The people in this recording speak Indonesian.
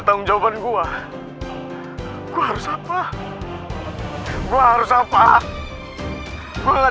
sudah saya kirim ya